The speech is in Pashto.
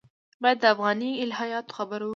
باید د افغاني الهیاتو خبره وکړو.